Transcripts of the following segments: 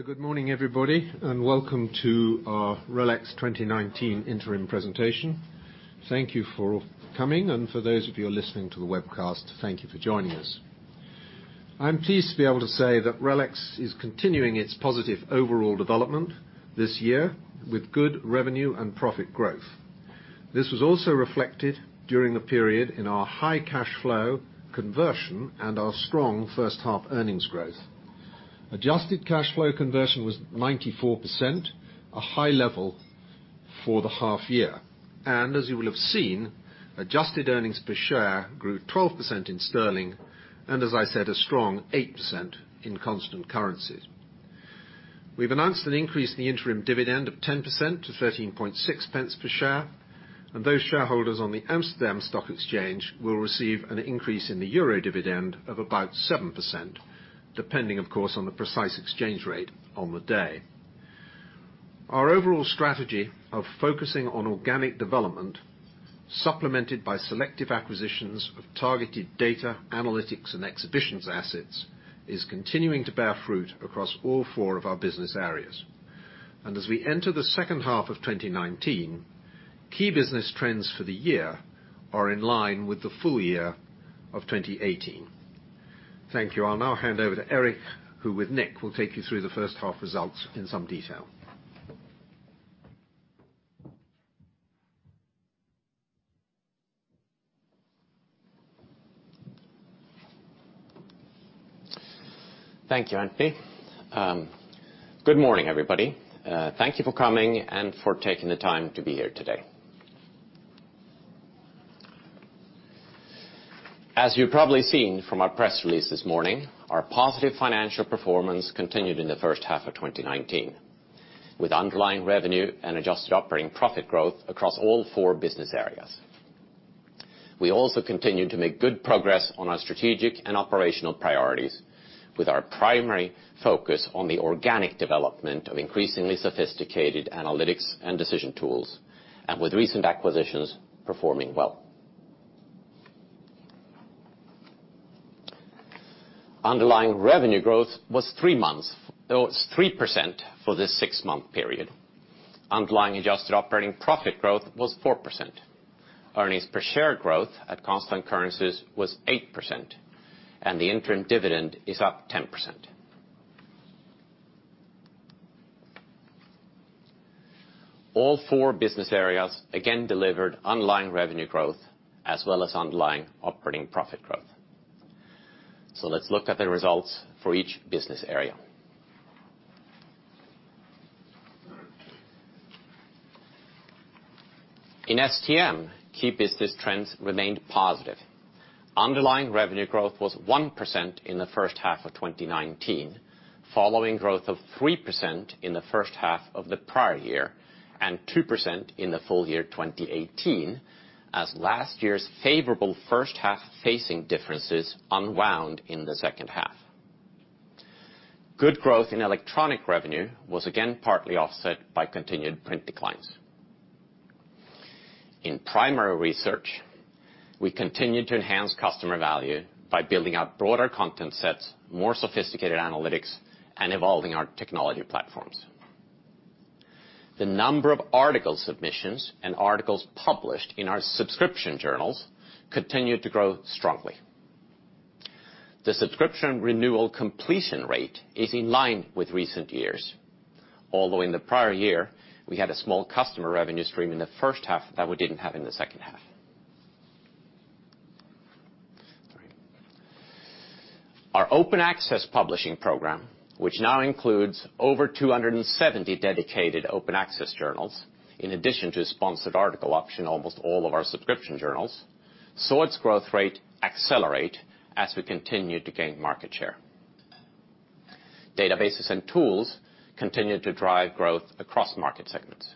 Good morning, everybody, and welcome to our RELX 2019 interim presentation. Thank you for coming, and for those of you listening to the webcast, thank you for joining us. I'm pleased to be able to say that RELX is continuing its positive overall development this year, with good revenue and profit growth. This was also reflected during the period in our high cash flow conversion and our strong first half earnings growth. Adjusted cash flow conversion was 94%, a high level for the half year. As you will have seen, adjusted earnings per share grew 12% in sterling, and as I said, a strong 8% in constant currencies. We've announced an increase in the interim dividend of 10% to 0.136 per share. Those shareholders on the Amsterdam Stock Exchange will receive an increase in the EUR dividend of about 7%, depending of course on the precise exchange rate on the day. Our overall strategy of focusing on organic development, supplemented by selective acquisitions of targeted data, analytics, and exhibitions assets, is continuing to bear fruit across all four of our business areas. As we enter the second half of 2019, key business trends for the year are in line with the full year of 2018. Thank you. I'll now hand over to Erik, who with Nick, will take you through the first half results in some detail. Thank you, Anthony. Good morning, everybody. Thank you for coming and for taking the time to be here today. As you've probably seen from our press release this morning, our positive financial performance continued in the first half of 2019, with underlying revenue and adjusted operating profit growth across all four business areas. We also continued to make good progress on our strategic and operational priorities with our primary focus on the organic development of increasingly sophisticated analytics and decision tools, and with recent acquisitions performing well. Underlying revenue growth was 3% for this six-month period. Underlying adjusted operating profit growth was 4%. Earnings per share growth at constant currencies was 8%, and the interim dividend is up 10%. All four business areas again delivered underlying revenue growth as well as underlying operating profit growth. Let's look at the results for each business area. In STM, key business trends remained positive. Underlying revenue growth was 1% in the first half of 2019, following growth of 3% in the first half of the prior year, and 2% in the full year 2018, as last year's favorable first half facing differences unwound in the second half. Good growth in electronic revenue was again partly offset by continued print declines. In primary research, we continued to enhance customer value by building out broader content sets, more sophisticated analytics, and evolving our technology platforms. The number of article submissions and articles published in our subscription journals continued to grow strongly. The subscription renewal completion rate is in line with recent years. Although in the prior year, we had a small customer revenue stream in the first half that we didn't have in the second half. Our open access publishing program, which now includes over 270 dedicated open access journals, in addition to a sponsored article option almost all of our subscription journals, saw its growth rate accelerate as we continued to gain market share. Databases and tools continued to drive growth across market segments.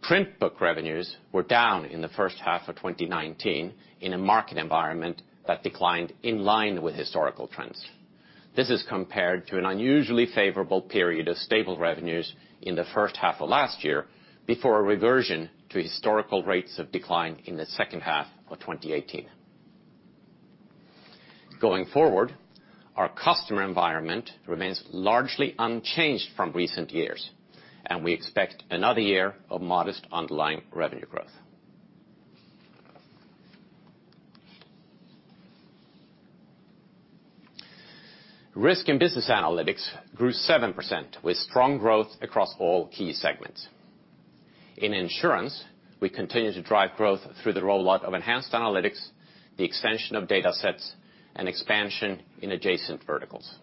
Print book revenues were down in the first half of 2019 in a market environment that declined in line with historical trends. This is compared to an unusually favorable period of stable revenues in the first half of last year, before a reversion to historical rates of decline in the second half of 2018. Going forward, our customer environment remains largely unchanged from recent years. We expect another year of modest underlying revenue growth. Risk and Business Analytics grew 7% with strong growth across all key segments. In insurance, we continued to drive growth through the rollout of enhanced analytics, the expansion of data sets, and expansion in adjacent verticals.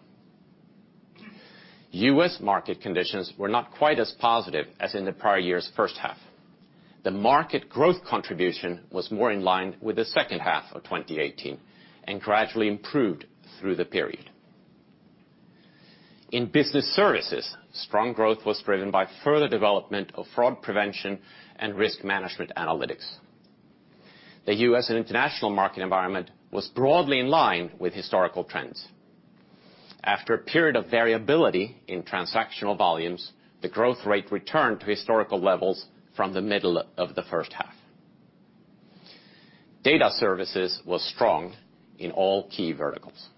U.S. market conditions were not quite as positive as in the prior year's first half. The market growth contribution was more in line with the second half of 2018, and gradually improved through the period. In business services, strong growth was driven by further development of fraud prevention and risk management analytics. The U.S. and international market environment was broadly in line with historical trends. After a period of variability in transactional volumes, the growth rate returned to historical levels from the middle of the first half. Data services was strong in all key verticals.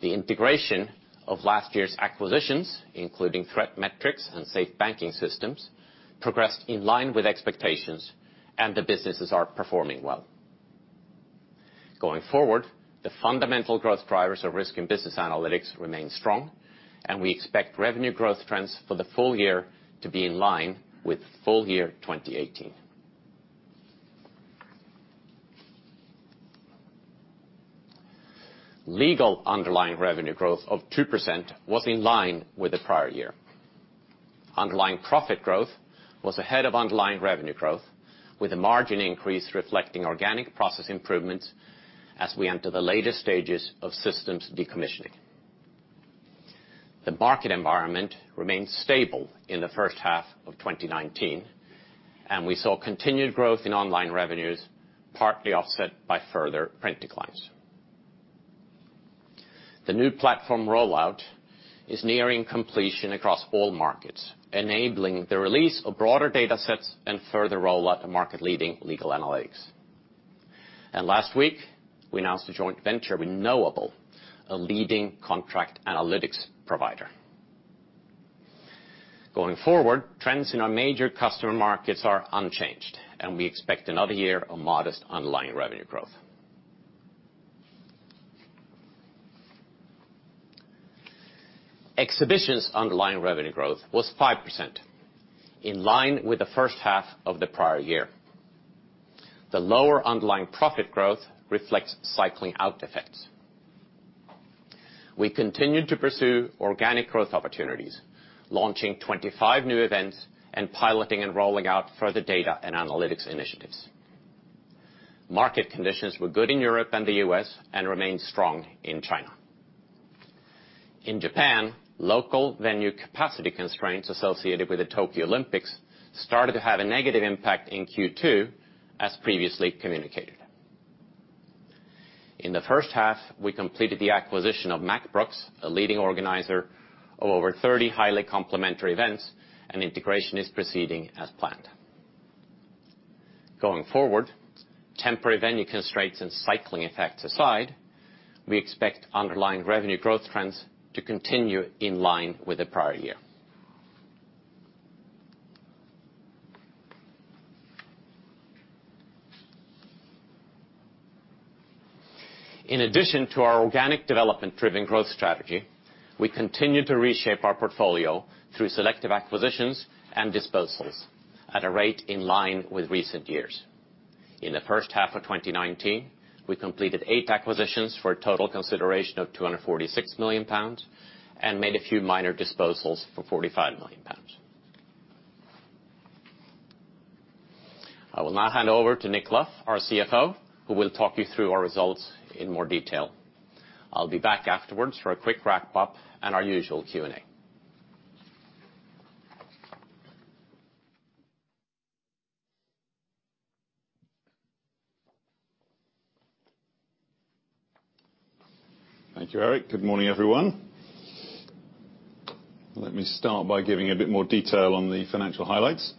The integration of last year's acquisitions, including ThreatMetrix and Safe Banking Systems, progressed in line with expectations, and the businesses are performing well. Going forward, the fundamental growth drivers of risk and business analytics remain strong, and we expect revenue growth trends for the full year to be in line with full year 2018. Legal underlying revenue growth of 2% was in line with the prior year. Underlying profit growth was ahead of underlying revenue growth, with a margin increase reflecting organic process improvements as we enter the later stages of systems decommissioning. The market environment remained stable in the first half of 2019, and we saw continued growth in online revenues, partly offset by further print declines. The new platform rollout is nearing completion across all markets, enabling the release of broader data sets and further rollout of market-leading legal analytics. Last week, we announced a joint venture with Knowable, a leading contract analytics provider. Going forward, trends in our major customer markets are unchanged, and we expect another year of modest underlying revenue growth. Exhibitions underlying revenue growth was 5%, in line with the first half of the prior year. The lower underlying profit growth reflects cycling out effects. We continued to pursue organic growth opportunities, launching 25 new events and piloting and rolling out further data and analytics initiatives. Market conditions were good in Europe and the U.S., and remain strong in China. In Japan, local venue capacity constraints associated with the Tokyo Olympics started to have a negative impact in Q2, as previously communicated. In the first half, we completed the acquisition of Mack Brooks, a leading organizer of over 30 highly complementary events, and integration is proceeding as planned. Going forward, temporary venue constraints and cycling effects aside, we expect underlying revenue growth trends to continue in line with the prior year. In addition to our organic development-driven growth strategy, we continue to reshape our portfolio through selective acquisitions and disposals at a rate in line with recent years. In the first half of 2019, we completed eight acquisitions for a total consideration of 246 million pounds and made a few minor disposals for 45 million pounds. I will now hand over to Nick Luff, our CFO, who will talk you through our results in more detail. I'll be back afterwards for a quick wrap-up and our usual Q&A. Thank you, Erik. Good morning, everyone. Let me start by giving a bit more detail on the financial highlights.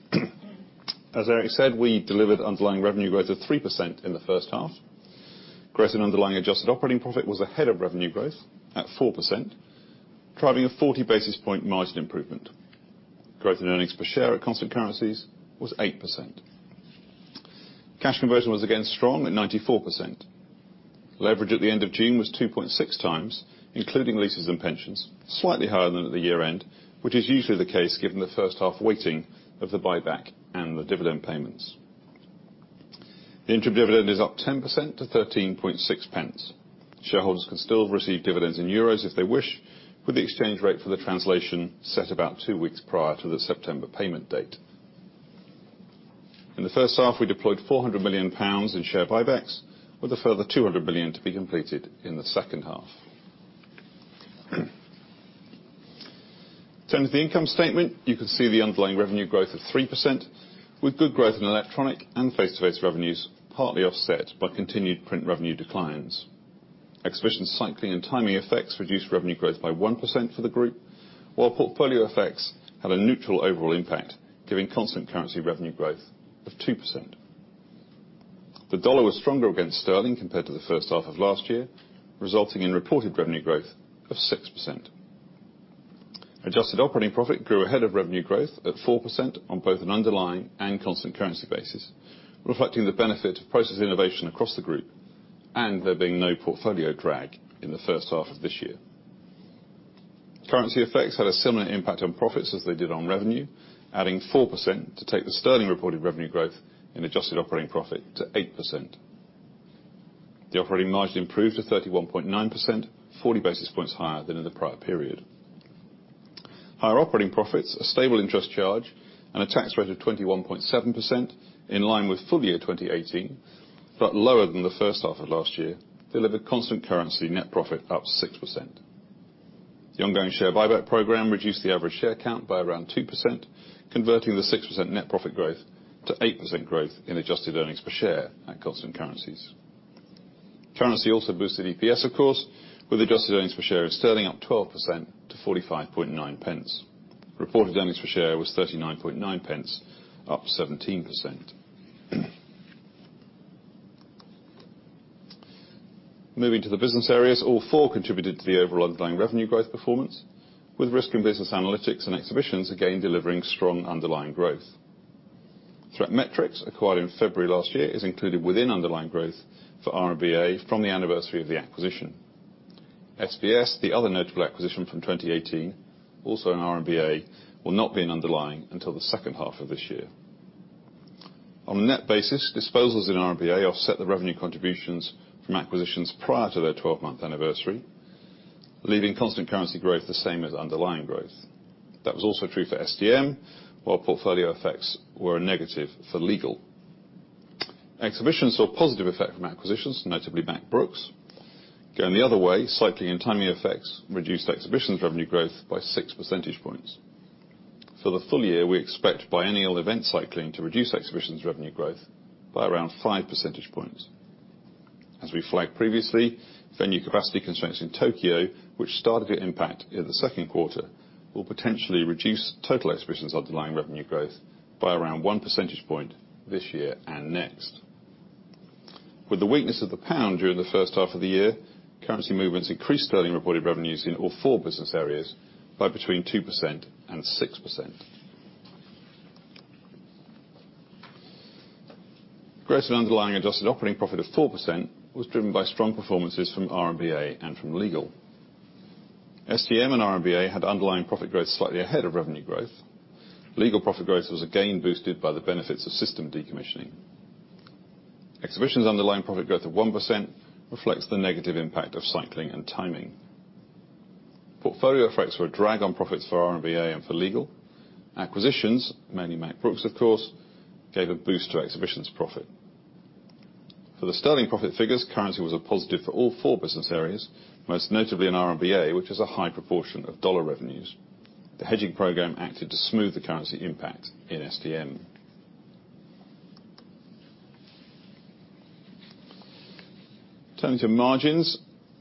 As Erik said, we delivered underlying revenue growth of 3% in the first half. Growth in underlying adjusted operating profit was ahead of revenue growth at 4%, driving a 40 basis point margin improvement. Growth in earnings per share at constant currencies was 8%. Cash conversion was again strong at 94%. Leverage at the end of June was 2.6 times, including leases and pensions, slightly higher than at the year-end, which is usually the case given the first half weighting of the buyback and the dividend payments. The interim dividend is up 10% to 0.136. Shareholders can still receive dividends in EUR if they wish, with the exchange rate for the translation set about two weeks prior to the September payment date. In the first half, we deployed 400 million pounds in share buybacks, with a further 200 million to be completed in the second half. In terms of the income statement, you can see the underlying revenue growth of 3%, with good growth in electronic and face-to-face revenues, partly offset by continued print revenue declines. Exhibition cycling and timing effects reduced revenue growth by 1% for the group, while portfolio effects had a neutral overall impact, giving constant currency revenue growth of 2%. The U.S. dollar was stronger against sterling compared to the first half of last year, resulting in reported revenue growth of 6%. adjusted operating profit grew ahead of revenue growth at 4% on both an underlying and constant currency basis, reflecting the benefit of process innovation across the group, and there being no portfolio drag in the first half of this year. Currency effects had a similar impact on profits as they did on revenue, adding 4% to take the GBP reported revenue growth in adjusted operating profit to 8%. The operating margin improved to 31.9%, 40 basis points higher than in the prior period. Higher operating profits, a stable interest charge, and a tax rate of 21.7%, in line with full year 2018, but lower than the first half of last year, delivered constant currency net profit up 6%. The ongoing share buyback program reduced the average share count by around 2%, converting the 6% net profit growth to 8% growth in adjusted earnings per share at constant currencies. Currency also boosted EPS, of course, with adjusted earnings per share in GBP up 12% to 0.459. Reported earnings per share was 0.399, up 17%. Moving to the business areas, all four contributed to the overall underlying revenue growth performance, with Risk and Business Analytics and Exhibitions again delivering strong underlying growth. ThreatMetrix, acquired in February last year, is included within underlying growth for RMBA from the anniversary of the acquisition. SBS, the other notable acquisition from 2018, also in RMBA, will not be in underlying until the second half of this year. On a net basis, disposals in RMBA offset the revenue contributions from acquisitions prior to their 12-month anniversary, leaving constant currency growth the same as underlying growth. That was also true for STM, while portfolio effects were a negative for Legal. Exhibitions saw a positive effect from acquisitions, notably Mack Brooks. Going the other way, cycling and timing effects reduced Exhibitions revenue growth by six percentage points. For the full year, we expect biennial event cycling to reduce Exhibitions revenue growth by around five percentage points. As we flagged previously, venue capacity constraints in Tokyo, which started to impact in the second quarter, will potentially reduce total Exhibitions underlying revenue growth by around one percentage point this year and next. With the weakness of the pound during the first half of the year, currency movements increased sterling reported revenues in all four business areas by between 2% and 6%. Growth in underlying adjusted operating profit of 4% was driven by strong performances from RMBA and from Legal. STM and RMBA had underlying profit growth slightly ahead of revenue growth. Legal profit growth was again boosted by the benefits of system decommissioning. Exhibitions' underlying profit growth of 1% reflects the negative impact of cycling and timing. Portfolio effects were a drag on profits for RMBA and for Legal. Acquisitions, mainly Mack Brooks, of course, gave a boost to Exhibitions profit. For the sterling profit figures, currency was a positive for all four business areas, most notably in RMBA, which has a high proportion of USD revenues. The hedging program acted to smooth the currency impact in STM. Turning to margins,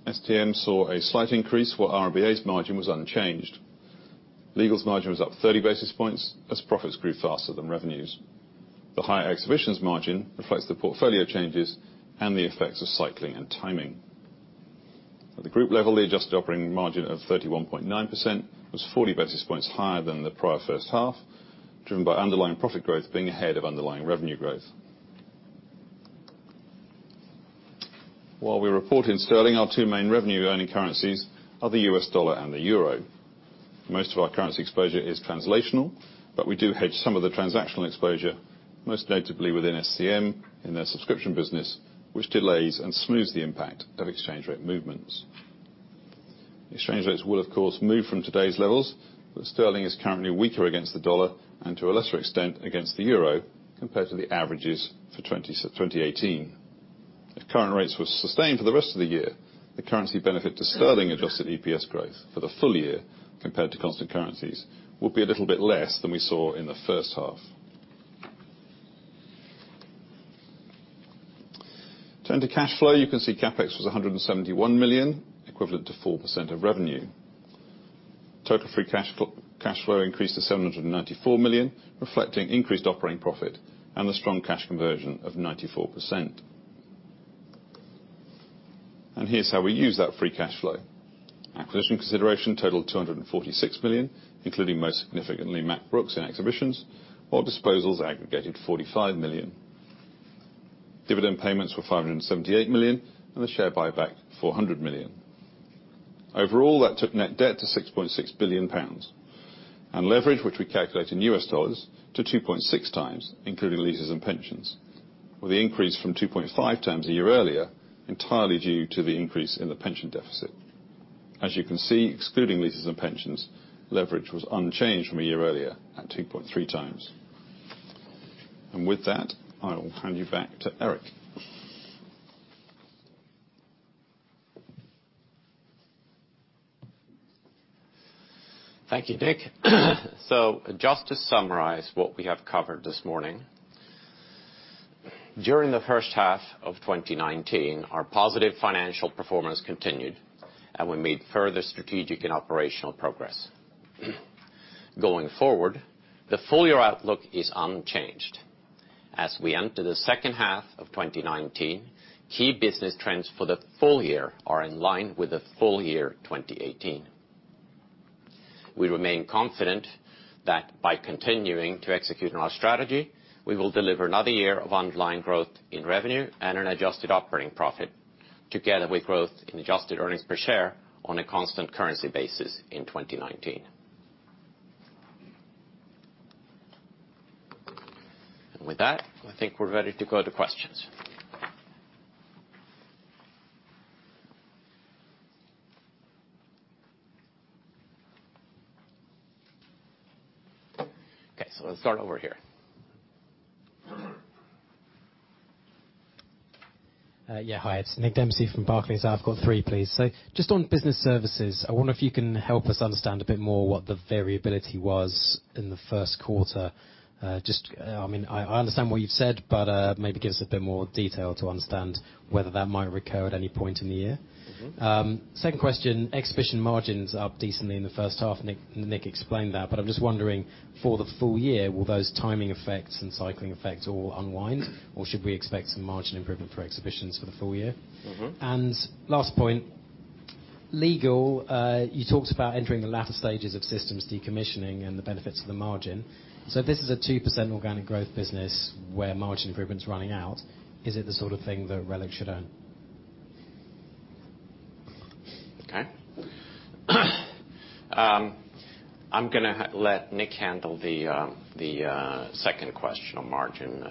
STM saw a slight increase, while RMBA's margin was unchanged. Legal's margin was up 30 basis points as profits grew faster than revenues. The higher Exhibitions margin reflects the portfolio changes and the effects of cycling and timing. At the group level, the adjusted operating margin of 31.9% was 40 basis points higher than the prior first half, driven by underlying profit growth being ahead of underlying revenue growth. While we report in sterling, our two main revenue-earning currencies are the USD and the EUR. Most of our currency exposure is translational, but we do hedge some of the transactional exposure, most notably within STM in their subscription business, which delays and smooths the impact of exchange rate movements. Exchange rates will of course move from today's levels, but sterling is currently weaker against the dollar, and to a lesser extent, against the euro, compared to the averages for 2018. If current rates were sustained for the rest of the year, the currency benefit to sterling adjusted EPS growth for the full year compared to constant currencies will be a little bit less than we saw in the first half. Turning to cash flow, you can see CapEx was 171 million, equivalent to 4% of revenue. Total free cash flow increased to 794 million, reflecting increased operating profit and the strong cash conversion of 94%. Here's how we use that free cash flow. Acquisition consideration totaled 246 million, including most significantly Mack Brooks and Exhibitions while disposals aggregated 45 million. Dividend payments were 578 million, and the share buyback 400 million. Overall, that took net debt to 6.6 billion pounds. Leverage, which we calculate in US dollars, to 2.6 times including leases and pensions, with the increase from 2.5 times a year earlier entirely due to the increase in the pension deficit. As you can see, excluding leases and pensions, leverage was unchanged from a year earlier at 2.3 times. With that, I will hand you back to Erik. Thank you, Nick. Just to summarize what we have covered this morning. During the first half of 2019, our positive financial performance continued, and we made further strategic and operational progress. Going forward, the full-year outlook is unchanged. As we enter the second half of 2019, key business trends for the full year are in line with the full year 2018. We remain confident that by continuing to execute on our strategy, we will deliver another year of underlying growth in revenue and an adjusted operating profit, together with growth in adjusted earnings per share on a constant currency basis in 2019. With that, I think we're ready to go to questions. Okay, let's start over here Yeah. Hi, it's Nick Dempsey from Barclays. I've got three, please. Just on business services, I wonder if you can help us understand a bit more what the variability was in the first quarter. I understand what you've said, but maybe give us a bit more detail to understand whether that might recur at any point in the year. Second question, exhibition margins up decently in the first half. Nick explained that. I'm just wondering, for the full year, will those timing effects and cycling effects all unwind? Or should we expect some margin improvement for exhibitions for the full year? Last point, Legal, you talked about entering the latter stages of systems decommissioning and the benefits to the margin. This is a 2% organic growth business where margin improvement's running out. Is it the sort of thing that RELX should own? Okay. I'm going to let Nick handle the second question on margin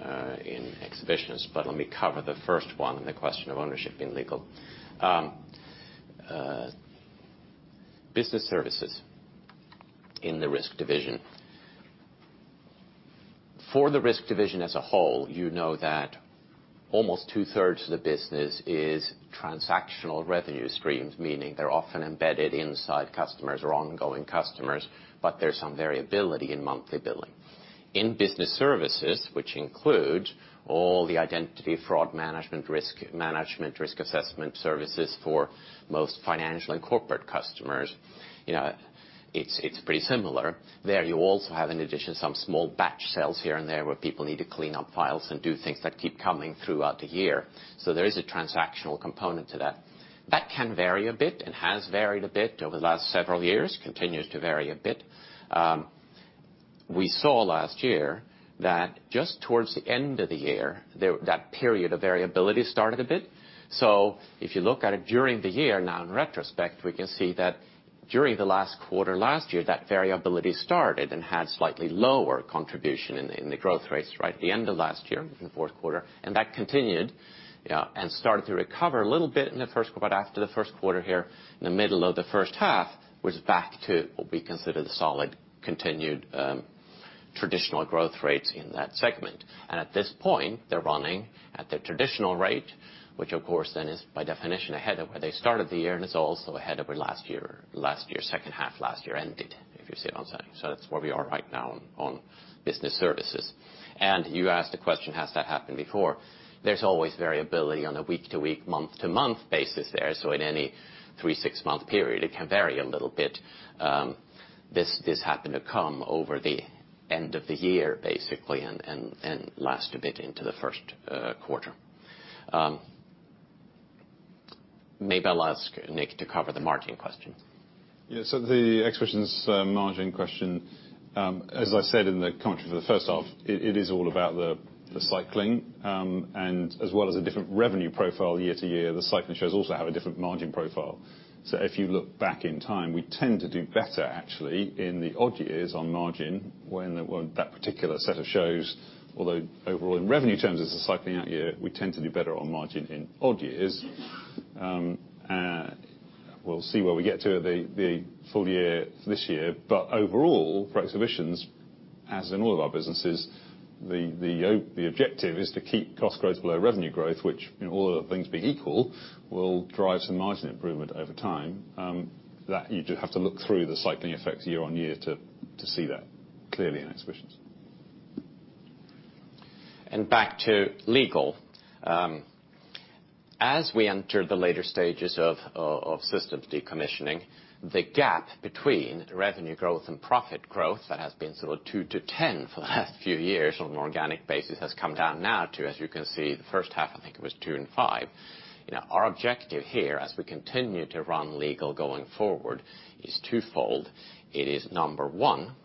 in exhibitions. Let me cover the first one on the question of ownership in legal Business Services in the Risk division. For the Risk division as a whole, you know that almost two-thirds of the business is transactional revenue streams, meaning they're often embedded inside customers or ongoing customers, but there's some variability in monthly billing. In Business Services, which include all the identity fraud management, risk management, risk assessment services for most financial and corporate customers, it's pretty similar. There, you also have, in addition, some small batch sales here and there where people need to clean up files and do things that keep coming throughout the year. There is a transactional component to that. That can vary a bit, and has varied a bit over the last several years, continues to vary a bit. We saw last year that just towards the end of the year, that period of variability started a bit. If you look at it during the year, now in retrospect, we can see that during the last quarter last year, that variability started and had slightly lower contribution in the growth rates right at the end of last year, the fourth quarter, and that continued, and started to recover a little bit in the first quarter. After the first quarter here, in the middle of the first half, was back to what we consider the solid continued, traditional growth rates in that segment. At this point, they're running at their traditional rate, which of course then is by definition ahead of where they started the year, and it's also ahead of where last year, second half last year ended, if you see what I'm saying. That's where we are right now on business services. You asked the question, has that happened before? There's always variability on a week-to-week, month-to-month basis there. In any three, six-month period, it can vary a little bit. This happened to come over the end of the year, basically, and last a bit into the first quarter. Maybe I'll ask Nick to cover the margin question. Yeah, the exhibitions margin question. As I said in the commentary for the first half, it is all about the cycling. As well as a different revenue profile year to year, the cycling shows also have a different margin profile. If you look back in time, we tend to do better actually in the odd years on margin. Although overall, in revenue terms, as a cycling out year, we tend to do better on margin in odd years. We'll see where we get to the full year this year. Overall, for exhibitions, as in all of our businesses, the objective is to keep cost growth below revenue growth, which all other things being equal, will drive some margin improvement over time. That you do have to look through the cycling effects year on year to see that clearly in exhibitions. Back to Legal. As we enter the later stages of systems decommissioning, the gap between revenue growth and profit growth, that has been sort of 2 to 10 for the last few years on an organic basis, has come down now to, as you can see, the first half, I think it was two and five. Our objective here, as we continue to run Legal going forward, is twofold. It is, number one,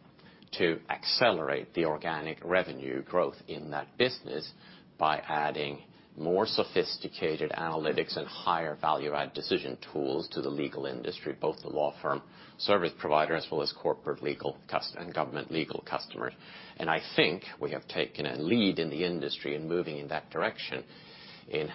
to accelerate the organic revenue growth in that business by adding more sophisticated analytics and higher value-add decision tools to the Legal industry, both the law firm service provider as well as corporate Legal and government Legal customers. I think we have taken a lead in the industry in moving in that direction in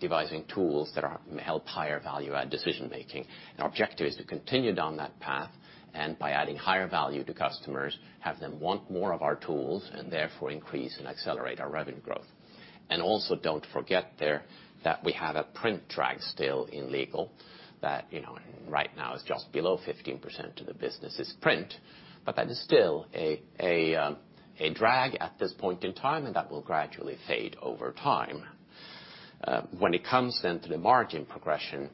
devising tools that help higher value-add decision-making. Our objective is to continue down that path, and by adding higher value to customers, have them want more of our tools, and therefore increase and accelerate our revenue growth. Also, don't forget there that we have a print drag still in legal that right now is just below 15% of the business is print, but that is still a drag at this point in time, and that will gradually fade over time. When it comes to the margin progression,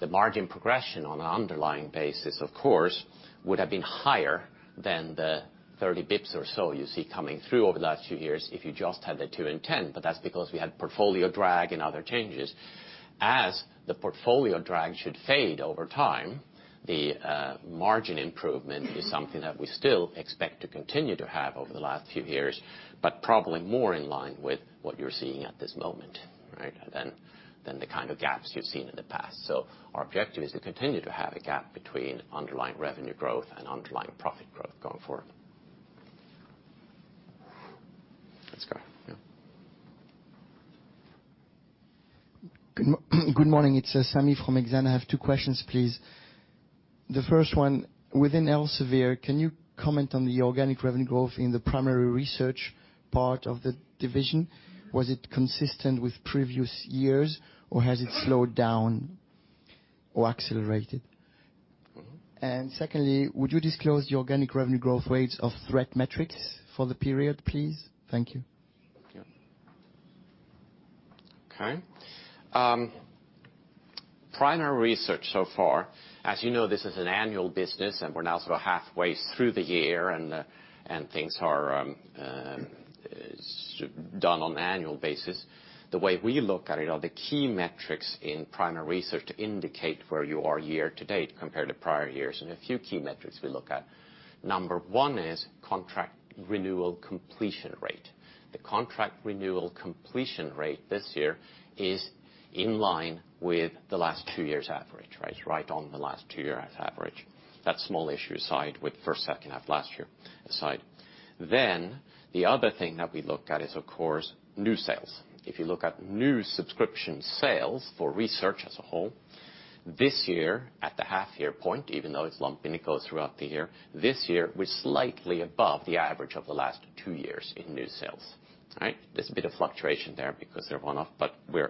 the margin progression on an underlying basis, of course, would have been higher than the 30 basis points or so you see coming through over the last few years if you just had the 2 in 10. That's because we had portfolio drag and other changes. As the portfolio drag should fade over time, the margin improvement is something that we still expect to continue to have over the last few years, but probably more in line with what you're seeing at this moment than the kind of gaps you've seen in the past. Our objective is to continue to have a gap between underlying revenue growth and underlying profit growth going forward. Let's go. Good morning. It's Sami from Exane. I have two questions, please. The first one, within Elsevier, can you comment on the organic revenue growth in the primary research part of the division? Was it consistent with previous years, or has it slowed down or accelerated? Secondly, would you disclose the organic revenue growth rates of ThreatMetrix for the period, please? Thank you. Yeah. Okay. Primary research so far, as you know, this is an annual business, and we're now sort of halfway through the year and things are done on an annual basis. The way we look at it are the key metrics in primary research to indicate where you are year to date compared to prior years, and a few key metrics we look at. Number one is contract renewal completion rate. The contract renewal completion rate this year is in line with the last two years' average, right on the last two years' average. That small issue aside with the first half, second half last year aside. The other thing that we look at is, of course, new sales. If you look at new subscription sales for research as a whole, this year at the half-year point, even though it's lumpy and it goes throughout the year, this year, we're slightly above the average of the last two years in new sales. All right? There's a bit of fluctuation there because they're one-off, but we're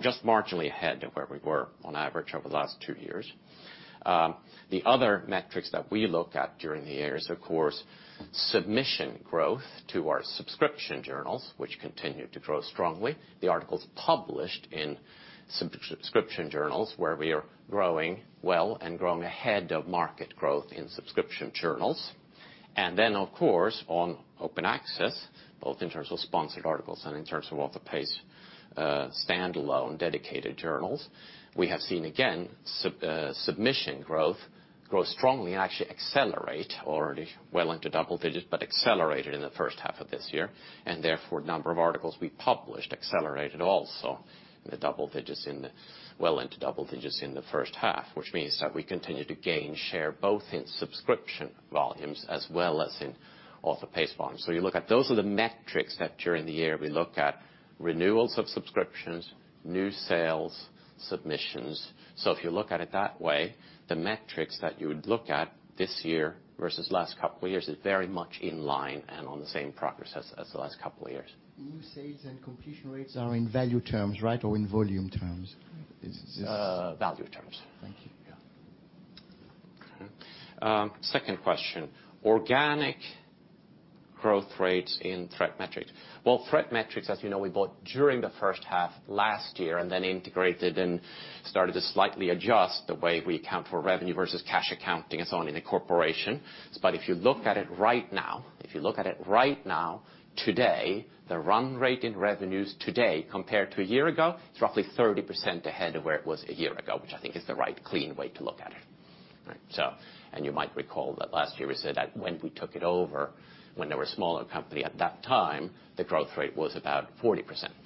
just marginally ahead of where we were on average over the last two years. The other metrics that we look at during the year is, of course, submission growth to our subscription journals, which continue to grow strongly. The articles published in subscription journals, where we are growing well and growing ahead of market growth in subscription journals. Of course, on open access, both in terms of sponsored articles and in terms of author-paced, standalone dedicated journals, we have seen, again, submission growth grow strongly and actually accelerate already well into double digits, but accelerated in the first half of this year. Number of articles we published accelerated also in the double digits, well into double digits in the first half, which means that we continue to gain share, both in subscription volumes as well as in author-paced volumes. You look at those are the metrics that, during the year, we look at renewals of subscriptions, new sales, submissions. If you look at it that way, the metrics that you would look at this year versus last couple of years is very much in line and on the same progress as the last couple of years. New sales and completion rates are in value terms, right? Or in volume terms? Value terms. Thank you. Yeah. Okay. Second question, organic growth rates in ThreatMetrix. Well, ThreatMetrix, as you know, we bought during the first half last year, and then integrated and started to slightly adjust the way we account for revenue versus cash accounting and so on in the corporation. If you look at it right now, today, the run rate in revenues today compared to a year ago, it's roughly 30% ahead of where it was a year ago, which I think is the right clean way to look at it. Right? You might recall that last year we said that when we took it over, when they were a smaller company at that time, the growth rate was about 40%,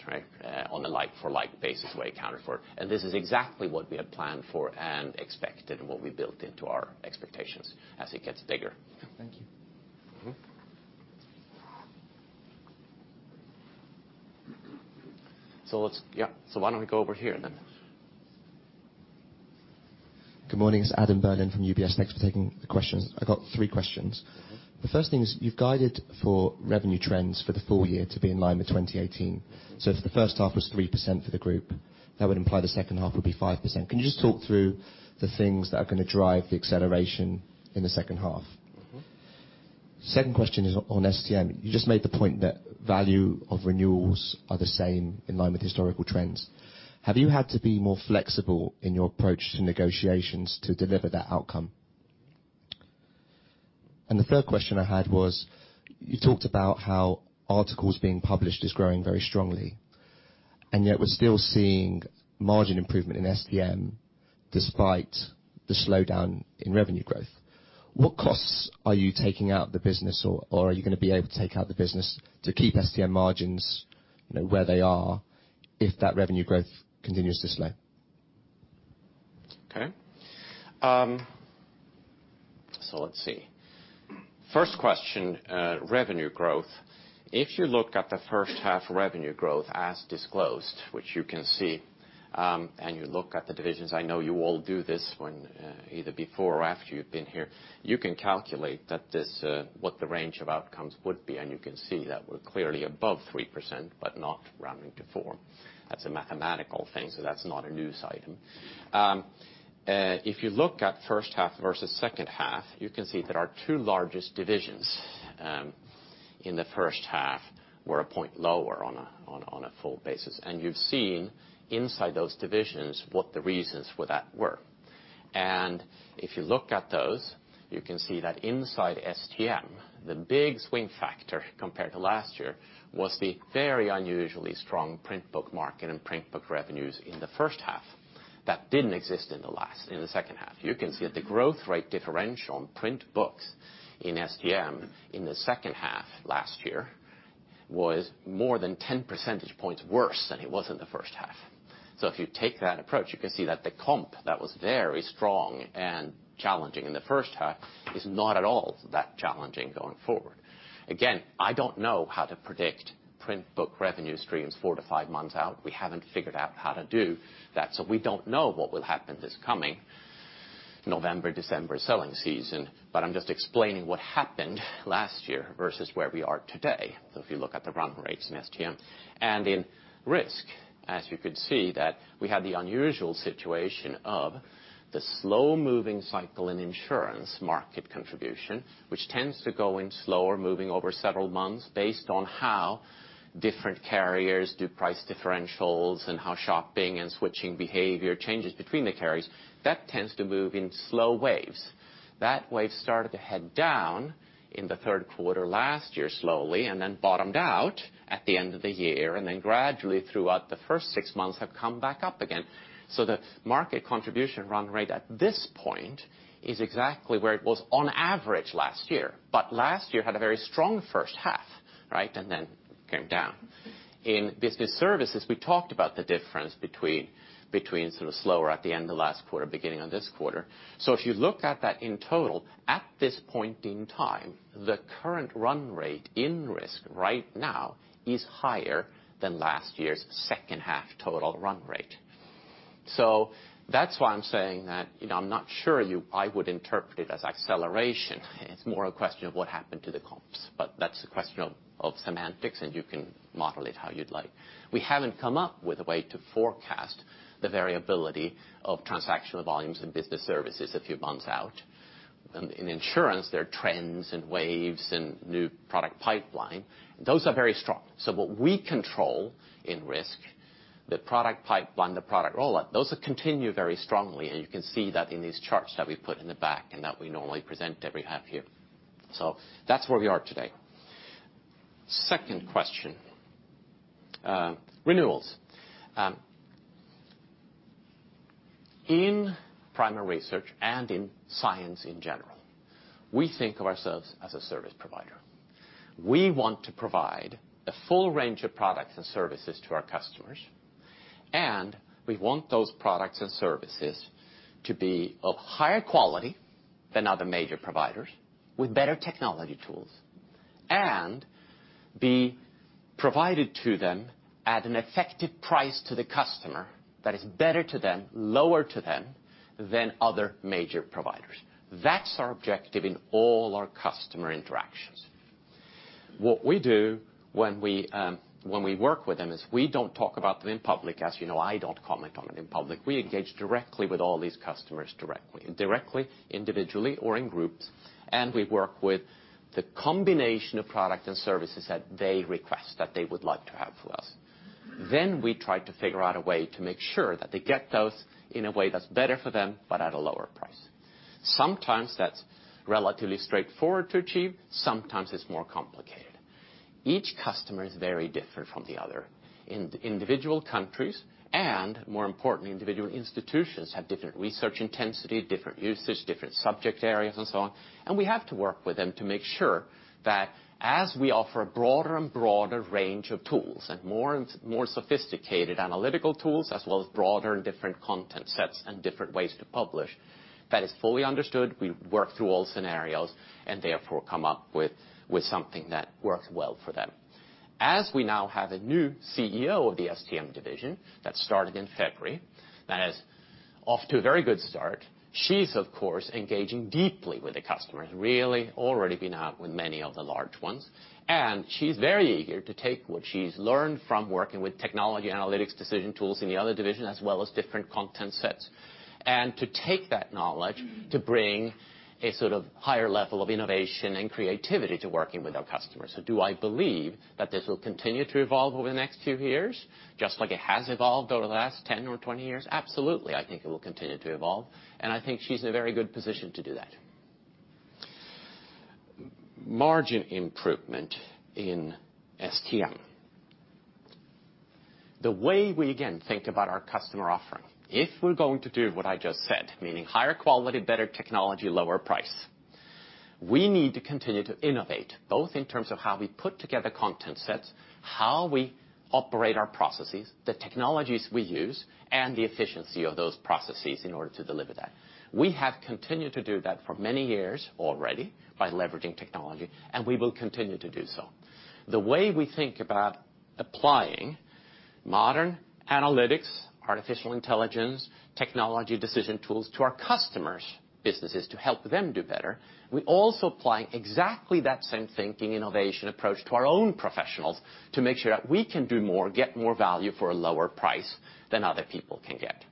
right, on a like-for-like basis, the way it accounted for. This is exactly what we had planned for and expected, and what we built into our expectations as it gets bigger. Thank you. Mm-hmm. Yeah. Why don't we go over here, then? Good morning, it's Adam Berlin from UBS. Thanks for taking the questions. I've got three questions. The first thing is, you've guided for revenue trends for the full year to be in line with 2018. If the first half was 3% for the group, that would imply the second half would be 5%. Can you just talk through the things that are going to drive the acceleration in the second half? Second question is on STM. You just made the point that value of renewals are the same, in line with historical trends. Have you had to be more flexible in your approach to negotiations to deliver that outcome? The third question I had was, you talked about how articles being published is growing very strongly, and yet we're still seeing margin improvement in STM despite the slowdown in revenue growth. What costs are you taking out of the business, or are you going to be able to take out the business to keep STM margins where they are if that revenue growth continues to slow? Okay. Let's see. First question, revenue growth. If you look at the first half revenue growth as disclosed, which you can see, and you look at the divisions, I know you all do this when either before or after you've been here. You can calculate what the range of outcomes would be. You can see that we're clearly above 3% but not rounding to 4%. That's a mathematical thing. That's not a news item. If you look at first half versus second half, you can see that our two largest divisions in the first half were a point lower on a full basis. You've seen inside those divisions what the reasons for that were. If you look at those, you can see that inside STM, the big swing factor compared to last year was the very unusually strong print book market and print book revenues in the first half. That didn't exist in the second half. You can see that the growth rate differential on print books in STM in the second half last year was more than 10 percentage points worse than it was in the first half. If you take that approach, you can see that the comp that was very strong and challenging in the first half is not at all that challenging going forward. Again, I don't know how to predict print book revenue streams four to five months out. We haven't figured out how to do that, We don't know what will happen this coming November, December selling season, I'm just explaining what happened last year versus where we are today. If you look at the run rates in STM. In Risk, as you could see that we had the unusual situation of the slow-moving cycle in insurance market contribution, which tends to go in slower moving over several months based on how different carriers do price differentials and how shopping and switching behavior changes between the carriers. That tends to move in slow waves. That wave started to head down in the third quarter last year slowly, and then bottomed out at the end of the year, and then gradually throughout the first six months have come back up again. The market contribution run rate at this point is exactly where it was on average last year. Last year had a very strong first half, right? It came down. In Business Services, we talked about the difference between slower at the end of last quarter, beginning of this quarter. If you look at that in total, at this point in time, the current run rate in Risk right now is higher than last year's second half total run rate. That's why I'm saying that, I'm not sure I would interpret it as acceleration. It's more a question of what happened to the comps, but that's a question of semantics, and you can model it how you'd like. We haven't come up with a way to forecast the variability of transactional volumes in Business Services a few months out. In Insurance, there are trends and waves and new product pipeline. Those are very strong. What we control in Risk, the product pipeline, the product rollout, those continue very strongly, and you can see that in these charts that we put in the back and that we normally present every half year. That's where we are today. Second question. Renewals. In primary research and in science in general, we think of ourselves as a service provider. We want to provide a full range of products and services to our customers. We want those products and services to be of higher quality than other major providers, with better technology tools. Be provided to them at an effective price to the customer that is better to them, lower to them, than other major providers. That's our objective in all our customer interactions. What we do when we work with them is we don't talk about them in public. As you know, I don't comment on it in public. We engage directly with all these customers directly. Directly, individually, or in groups, we work with the combination of product and services that they request, that they would like to have from us. We try to figure out a way to make sure that they get those in a way that's better for them, but at a lower price. Sometimes that's relatively straightforward to achieve, sometimes it's more complicated. Each customer is very different from the other. Individual countries and, more importantly, individual institutions, have different research intensity, different usage, different subject areas, and so on. We have to work with them to make sure that as we offer a broader and broader range of tools and more sophisticated analytical tools, as well as broader and different content sets and different ways to publish, that is fully understood. We work through all scenarios and therefore come up with something that works well for them. We now have a new CEO of the STM division that started in February, that is off to a very good start. She's, of course, engaging deeply with the customers. Really already been out with many of the large ones, and she's very eager to take what she's learned from working with technology analytics decision tools in the other division, as well as different content sets. To take that knowledge to bring a sort of higher level of innovation and creativity to working with our customers. Do I believe that this will continue to evolve over the next few years, just like it has evolved over the last 10 or 20 years? Absolutely, I think it will continue to evolve, and I think she's in a very good position to do that. Margin improvement in STM. The way we, again, think about our customer offering, if we're going to do what I just said, meaning higher quality, better technology, lower price, we need to continue to innovate, both in terms of how we put together content sets, how we operate our processes, the technologies we use, and the efficiency of those processes in order to deliver that. We have continued to do that for many years already by leveraging technology, and we will continue to do so. The way we think about applying modern analytics, artificial intelligence, technology decision tools to our customers' businesses to help them do better. We also apply exactly that same thinking innovation approach to our own professionals to make sure that we can do more, get more value for a lower price than other people can get.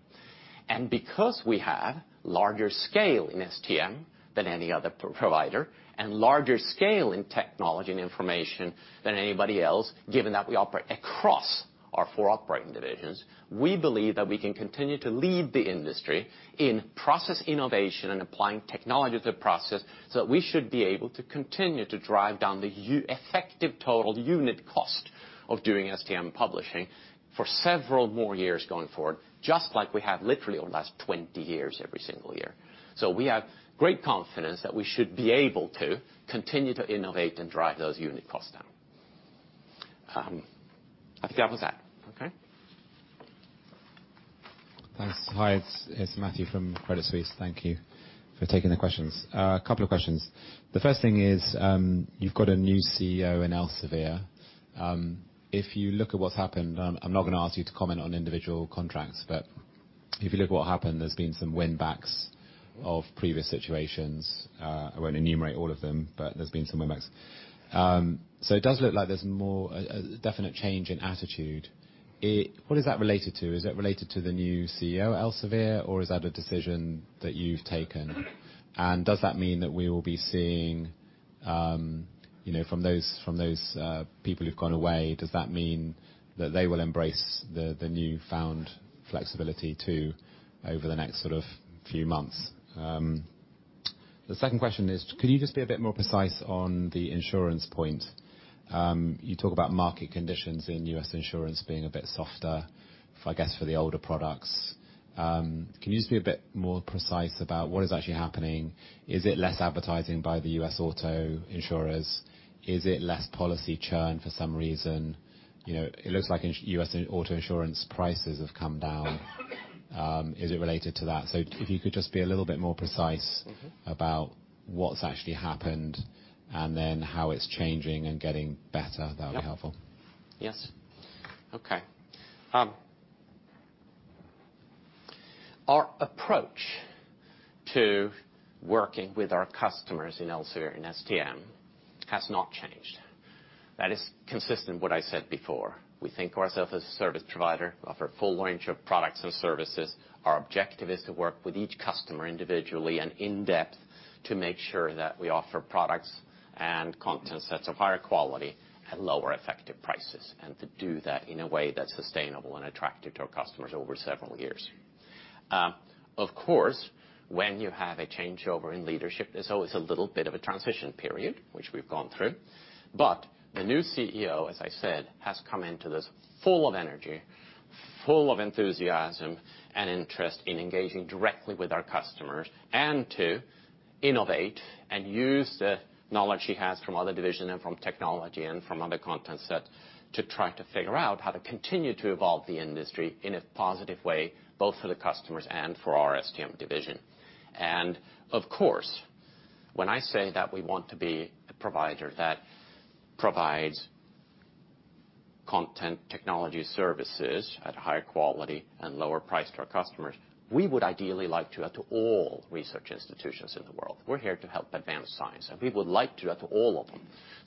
Because we have larger scale in STM than any other provider, and larger scale in technology and information than anybody else, given that we operate across our 4 operating divisions. We believe that we can continue to lead the industry in process innovation and applying technology to the process, so that we should be able to continue to drive down the effective total unit cost of doing STM publishing for several more years going forward, just like we have literally over the last 20 years, every single year. We have great confidence that we should be able to continue to innovate and drive those unit costs down. I think that was that. Okay. Thanks. Hi, it's Matthew from Credit Suisse. Thank you for taking the questions. A couple of questions. The first thing is, you've got a new CEO in Elsevier. If you look at what's happened, I'm not going to ask you to comment on individual contracts. If you look at what happened, there's been some win backs of previous situations. I won't enumerate all of them, but there's been some win backs. It does look like there's more a definite change in attitude. What is that related to? Is that related to the new CEO at Elsevier, or is that a decision that you've taken? Does that mean that we will be seeing, from those people who've gone away, does that mean that they will embrace the newfound flexibility, too, over the next few months? The second question is, could you just be a bit more precise on the insurance point? You talk about market conditions in U.S. insurance being a bit softer, I guess, for the older products. Can you just be a bit more precise about what is actually happening? Is it less advertising by the U.S. auto insurers? Is it less policy churn for some reason? It looks like U.S. auto insurance prices have come down. Is it related to that? If you could just be a little bit more precise. about what's actually happened, and then how it's changing and getting better, that would be helpful. Yes. Okay. Our approach to working with our customers in Elsevier and STM has not changed. That is consistent with what I said before. We think of ourself as a service provider, offer a full range of products and services. Our objective is to work with each customer individually and in depth to make sure that we offer products and content sets of higher quality at lower effective prices, and to do that in a way that's sustainable and attractive to our customers over several years. Of course, when you have a changeover in leadership, there's always a little bit of a transition period, which we've gone through. The new CEO, as I said, has come into this full of energy, full of enthusiasm, and interest in engaging directly with our customers, and to innovate and use the knowledge she has from other division and from technology and from other content set to try to figure out how to continue to evolve the industry in a positive way, both for the customers and for our STM division. Of course, when I say that we want to be a provider that provides content technology services at higher quality and lower price to our customers, we would ideally like to help all research institutions in the world. We're here to help advance science, and we would like to help all of them.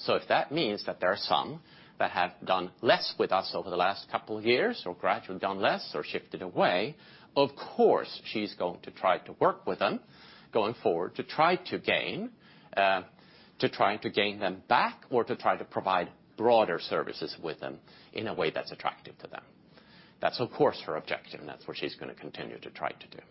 If that means that there are some that have done less with us over the last couple years or gradually done less or shifted away, of course, she's going to try to work with them going forward to try to gain them back or to try to provide broader services with them in a way that's attractive to them. That's, of course, her objective, and that's what she's going to continue to try to do.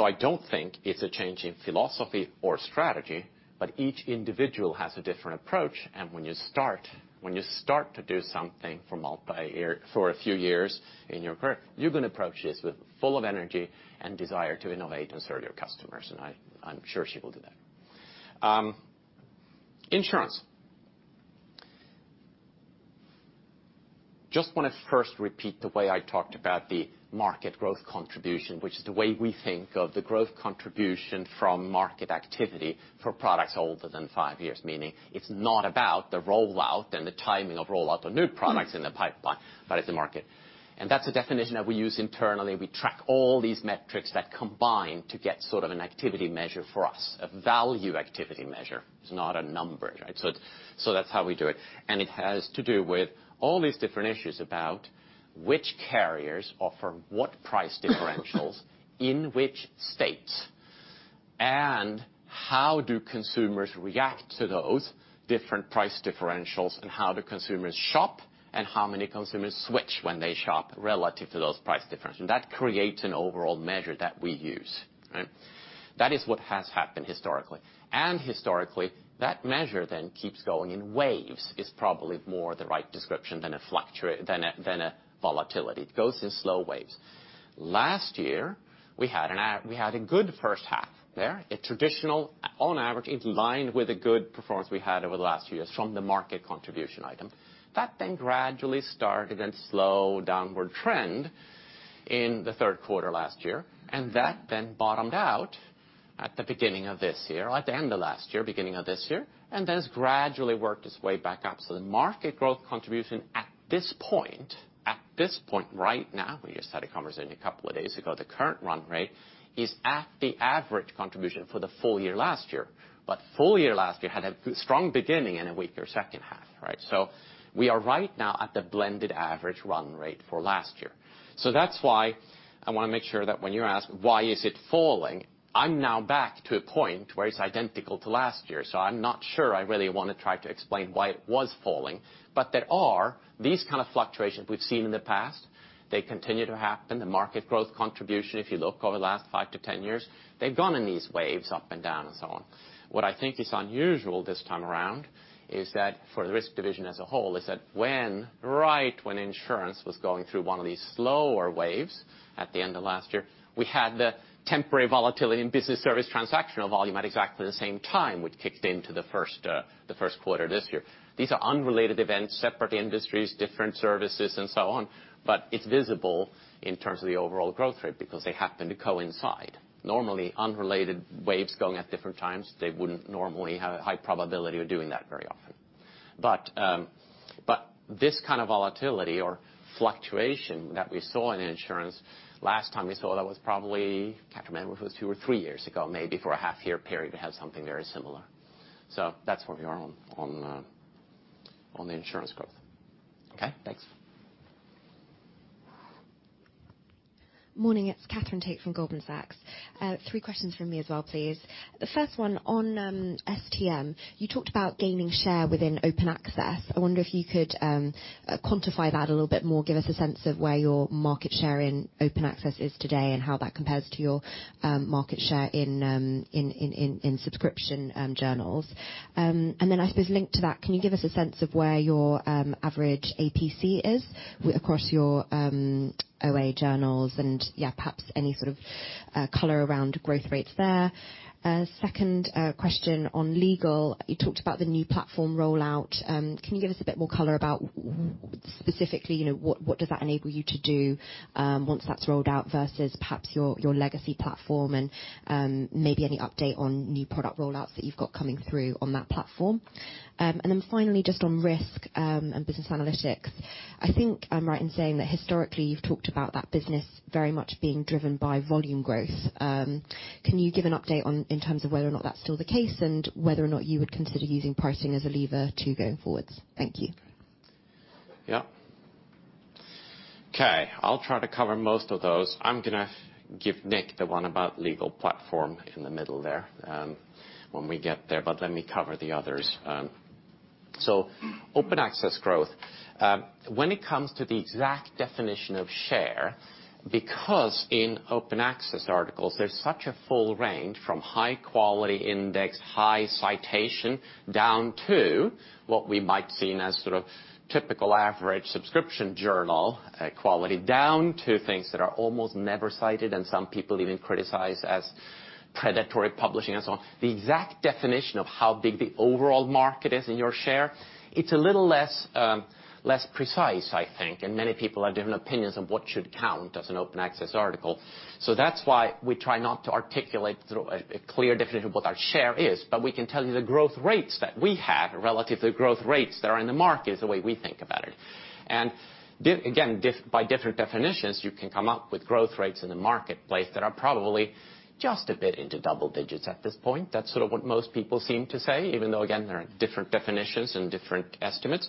I don't think it's a change in philosophy or strategy, but each individual has a different approach. When you start to do something for a few years in your career, you're going to approach this full of energy and desire to innovate and serve your customers. I'm sure she will do that. I'm sure. Just want to first repeat the way I talked about the market growth contribution, which is the way we think of the growth contribution from market activity for products older than five years. Meaning, it's not about the rollout and the timing of rollout of new products in the pipeline, but it's the market. That's a definition that we use internally. We track all these metrics that combine to get sort of an activity measure for us, a value activity measure. It's not a number. That's how we do it. It has to do with all these different issues about which carriers offer what price differentials in which states, and how do consumers react to those different price differentials, and how do consumers shop, and how many consumers switch when they shop relative to those price difference. That creates an overall measure that we use. That is what has happened historically. Historically, that measure then keeps going in waves, is probably more the right description than a volatility. It goes in slow waves. Last year, we had a good first half there, a traditional, on average, in line with a good performance we had over the last few years from the market contribution item. That gradually started a slow downward trend in the third quarter last year, and that then bottomed out at the beginning of this year, at the end of last year, beginning of this year, and then has gradually worked its way back up. The market growth contribution at this point, right now, we just had a conversation a couple of days ago, the current run rate, is at the average contribution for the full year last year. Full year last year had a strong beginning and a weaker second half. We are right now at the blended average run rate for last year. That's why I want to make sure that when you ask why is it falling, I'm now back to a point where it's identical to last year. There are these kind of fluctuations we've seen in the past. They continue to happen. The market growth contribution, if you look over the last five to 10 years, they've gone in these waves up and down and so on. What I think is unusual this time around is that for the Risk division as a whole, is that right when insurance was going through one of these slower waves at the end of last year, we had the temporary volatility in Business Services transactional volume at exactly the same time, which kicked into the first quarter this year. These are unrelated events, separate industries, different services, and so on. It's visible in terms of the overall growth rate, because they happen to coincide. Normally, unrelated waves going at different times, they wouldn't normally have a high probability of doing that very often. This kind of volatility or fluctuation that we saw in insurance, last time we saw that was probably, can't remember if it was two or three years ago, maybe for a half-year period, we had something very similar. That's where we are on the insurance growth. Okay, thanks. Morning, it's Katherine Tait from Goldman Sachs. Three questions from me as well, please. The first one on STM. You talked about gaining share within Open Access. I wonder if you could quantify that a little bit more, give us a sense of where your market share in Open Access is today, and how that compares to your market share in subscription journals. I suppose linked to that, can you give us a sense of where your average APC is across your OA journals and perhaps any sort of color around growth rates there? Second question on legal. You talked about the new platform rollout. Can you give us a bit more color about specifically, what does that enable you to do once that's rolled out versus perhaps your legacy platform and maybe any update on new product rollouts that you've got coming through on that platform? Finally, just on Risk & Business Analytics. I think I'm right in saying that historically, you've talked about that business very much being driven by volume growth. Can you give an update in terms of whether or not that's still the case and whether or not you would consider using pricing as a lever to go forwards? Thank you. Yeah. Okay, I'll try to cover most of those. I'm going to give Nick the one about legal platform in the middle there, when we get there, but let me cover the others. Open Access growth. When it comes to the exact definition of share, because in Open Access articles, there's such a full range from high quality index, high citation, down to what we might seen as sort of typical average subscription journal quality, down to things that are almost never cited and some people even criticize as predatory publishing and so on. The exact definition of how big the overall market is in your share, it's a little less precise, I think, and many people have different opinions on what should count as an Open Access article. That's why we try not to articulate through a clear definition of what our share is, but we can tell you the growth rates that we have relative to growth rates that are in the market is the way we think about it. Again, by different definitions, you can come up with growth rates in the marketplace that are probably just a bit into double digits at this point. That's sort of what most people seem to say, even though, again, there are different definitions and different estimates.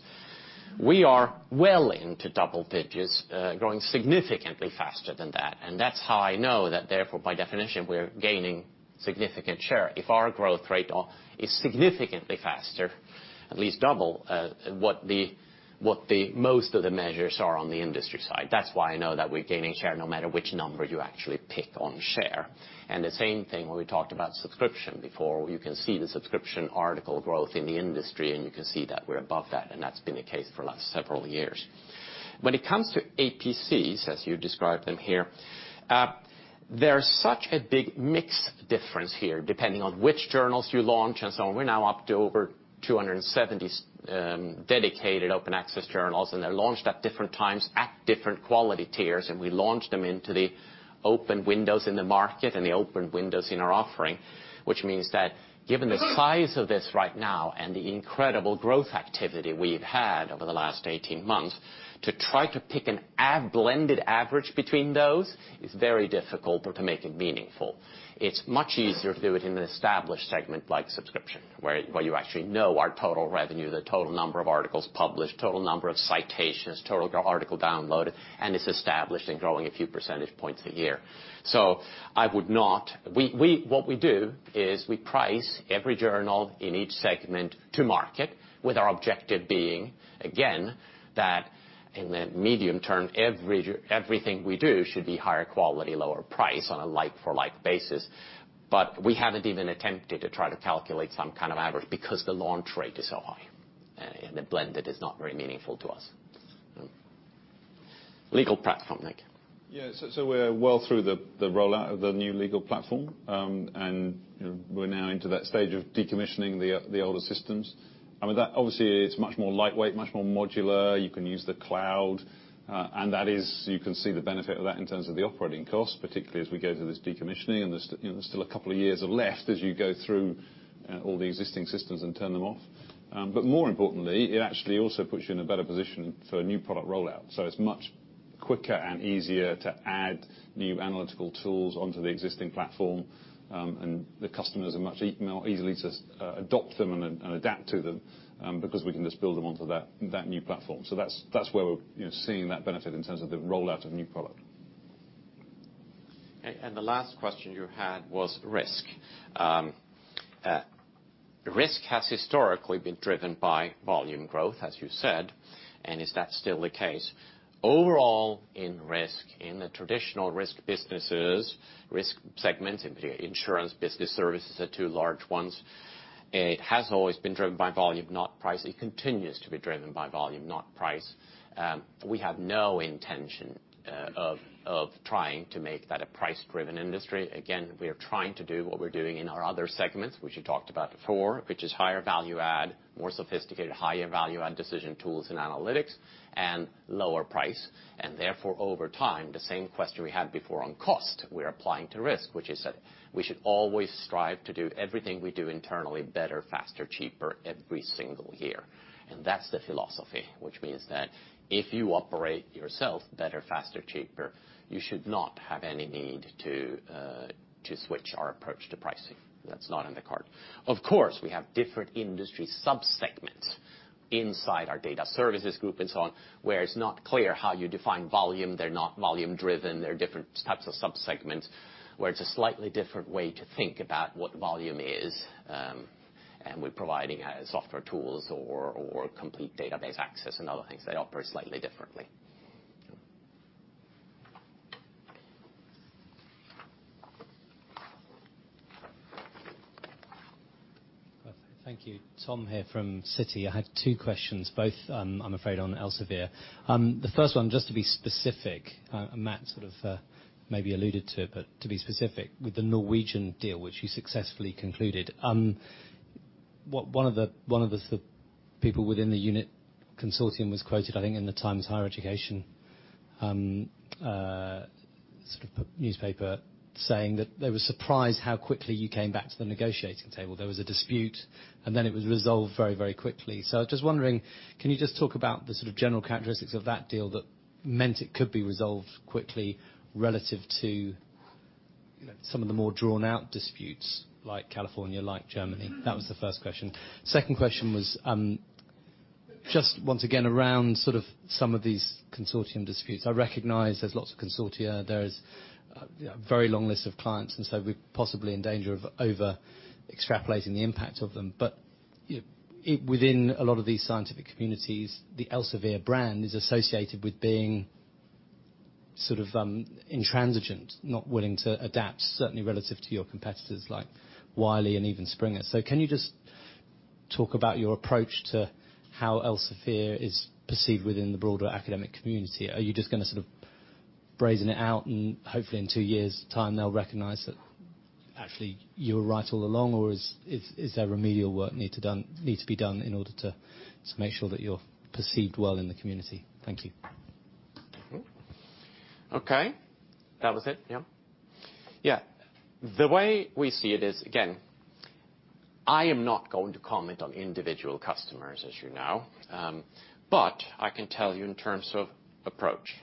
We are well into double digits, growing significantly faster than that. That's how I know that therefore, by definition, we're gaining significant share. If our growth rate is significantly faster, at least double what the most of the measures are on the industry side. That's why I know that we're gaining share no matter which number you actually pick on share. The same thing when we talked about subscription before. You can see the subscription article growth in the industry, and you can see that we're above that, and that's been the case for the last several years. When it comes to APCs, as you describe them here, there's such a big mix difference here, depending on which journals you launch and so on. We're now up to over 270 dedicated open access journals, they're launched at different times at different quality tiers. We launch them into the open windows in the market and the open windows in our offering, which means that given the size of this right now and the incredible growth activity we've had over the last 18 months, to try to pick a blended average between those is very difficult to make it meaningful. It's much easier to do it in an established segment like subscription, where you actually know our total revenue, the total number of articles published, total number of citations, total article downloaded, and it's established and growing a few percentage points a year. What we do is we price every journal in each segment to market with our objective being, again, that in the medium term, everything we do should be higher quality, lower price on a like-for-like basis. We haven't even attempted to try to calculate some kind of average because the launch rate is so high, and the blended is not very meaningful to us. Legal platform, Nick. Yeah. We're well through the rollout of the new legal platform. We're now into that stage of decommissioning the older systems. I mean that obviously it's much more lightweight, much more modular. You can use the cloud. That is, you can see the benefit of that in terms of the operating costs, particularly as we go through this decommissioning, and there's still a couple of years of left as you go through all the existing systems and turn them off. More importantly, it actually also puts you in a better position for new product rollout. It's much quicker and easier to add new analytical tools onto the existing platform. The customers are much easily to adopt them and adapt to them, because we can just build them onto that new platform. That's where we're seeing that benefit in terms of the rollout of new product. Okay. The last question you had was Risk. Risk has historically been driven by volume growth, as you said. Is that still the case? Overall, in Risk, in the traditional Risk businesses, Risk segments, insurance, business services are two large ones. It has always been driven by volume, not price. It continues to be driven by volume, not price. We have no intention of trying to make that a price-driven industry. Again, we are trying to do what we're doing in our other segments, which we talked about before, which is higher value add, more sophisticated, higher value add decision tools and analytics, and lower price. Therefore, over time, the same question we had before on cost, we're applying to Risk. Which is that we should always strive to do everything we do internally better, faster, cheaper every single year. That's the philosophy. Which means that if you operate yourself better, faster, cheaper, you should not have any need to switch our approach to pricing. That's not on the card. Of course, we have different industry sub-segments inside our data services group and so on, where it's not clear how you define volume. They're not volume driven. There are different types of sub-segments, where it's a slightly different way to think about what volume is. We're providing software tools or complete database access and other things that operate slightly differently. Thank you. Tom here from Citi. I have two questions, both, I'm afraid, on Elsevier. The first one, just to be specific, Matt sort of maybe alluded to, but to be specific, with the Norwegian deal, which you successfully concluded. One of the people within the unit consortium was quoted, I think in Times Higher Education, saying that they were surprised how quickly you came back to the negotiating table. There was a dispute, and then it was resolved very quickly. I was just wondering, can you just talk about the sort of general characteristics of that deal that meant it could be resolved quickly relative to some of the more drawn-out disputes like California, like Germany? That was the first question. Second question was just once again, around some of these consortium disputes. I recognize there's lots of consortia. There is a very long list of clients, and so we're possibly in danger of over extrapolating the impact of them. Within a lot of these scientific communities, the Elsevier brand is associated with being sort of intransigent, not willing to adapt, certainly relative to your competitors like Wiley and even Springer. Can you just talk about your approach to how Elsevier is perceived within the broader academic community? Are you just going to sort of brazen it out and hopefully in two years' time they'll recognize that actually you were right all along, or is there remedial work needs to be done in order to make sure that you're perceived well in the community? Thank you. Okay. That was it, yeah. The way we see it is, again, I am not going to comment on individual customers, as you know. I can tell you in terms of approach.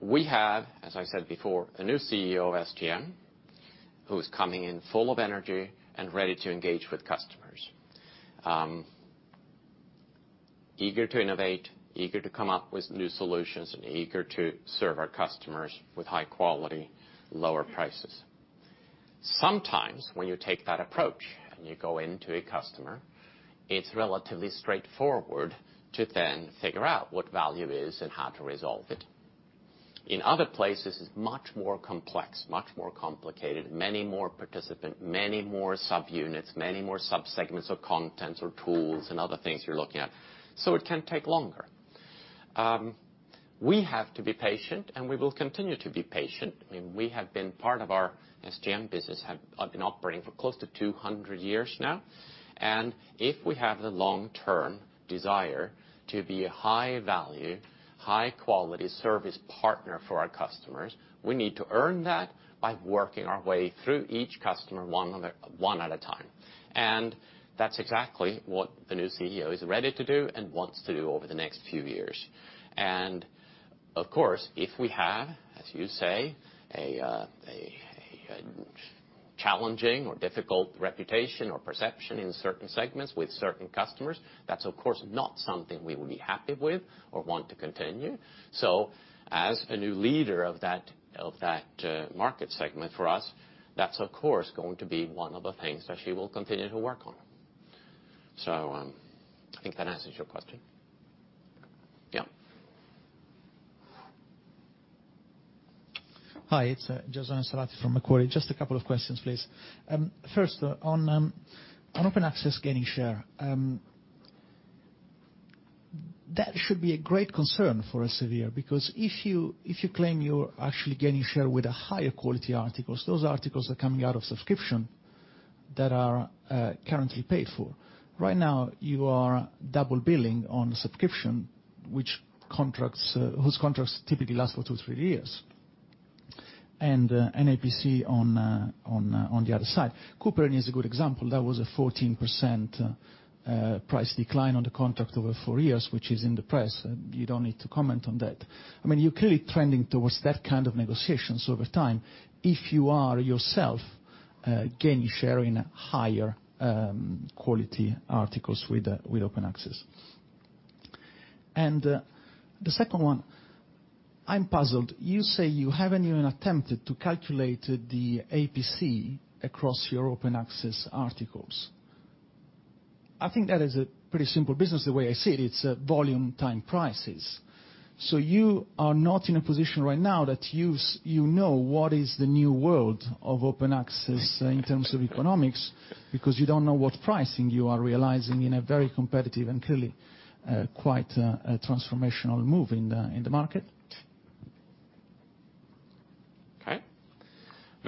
We have, as I said before, a new CEO of STM who is coming in full of energy and ready to engage with customers. Eager to innovate, eager to come up with new solutions, and eager to serve our customers with high quality, lower prices. Sometimes when you take that approach and you go into a customer, it's relatively straightforward to then figure out what value is and how to resolve it. In other places, it's much more complex, much more complicated, many more participant, many more subunits, many more sub-segments of contents or tools and other things you're looking at. It can take longer. We have to be patient, and we will continue to be patient. Part of our STM business have been operating for close to 200 years now. If we have the long-term desire to be a high-value, high-quality service partner for our customers, we need to earn that by working our way through each customer one at a time. That's exactly what the new CEO is ready to do and wants to do over the next few years. Of course, if we have, as you say, a challenging or difficult reputation or perception in certain segments with certain customers, that's of course not something we will be happy with or want to continue. As a new leader of that market segment for us, that's of course going to be one of the things that she will continue to work on. I think that answers your question. Yeah. Hi, it's Jose Salaz from Macquarie. Just a couple of questions, please. First, on open access gaining share. That should be a great concern for Elsevier, because if you claim you're actually gaining share with higher quality articles, those articles are coming out of subscription that are currently paid for. Right now, you are double billing on subscription, whose contracts typically last for two, three years. An APC on the other side. Cooper is a good example. That was a 14% price decline on the contract over four years, which is in the press. You don't need to comment on that. You're clearly trending towards that kind of negotiations over time if you are yourself gaining share in higher quality articles with open access. The second one, I'm puzzled. You say you haven't even attempted to calculate the APC across your open access articles. I think that is a pretty simple business the way I see it. It's volume, time, prices. You are not in a position right now that you know what is the new world of open access in terms of economics, because you don't know what pricing you are realizing in a very competitive and clearly quite a transformational move in the market.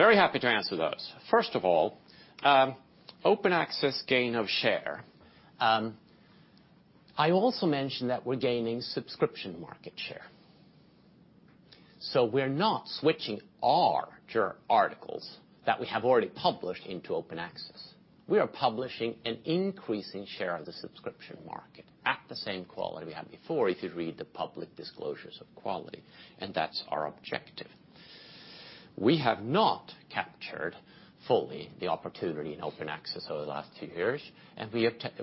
Very happy to answer those. First of all, open access gain of share. I also mentioned that we're gaining subscription market share. We're not switching our journal articles that we have already published into open access. We are publishing an increasing share of the subscription market at the same quality we had before, if you read the public disclosures of quality, and that's our objective. We have not captured fully the opportunity in open access over the last two years, and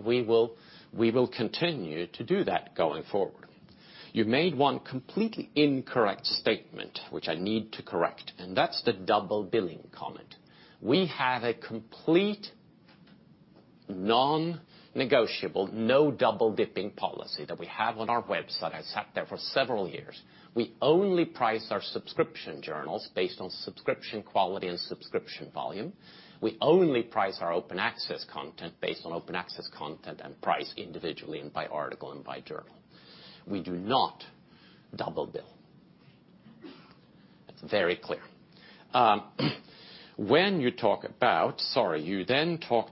we will continue to do that going forward. You made one completely incorrect statement, which I need to correct, and that's the double billing comment. We have a complete non-negotiable, no double-dipping policy that we have on our website. It's sat there for several years. We only price our subscription journals based on subscription quality and subscription volume. We only price our open access content based on open access content, and price individually and by article and by journal. We do not double bill. It's very clear. Sorry. You talked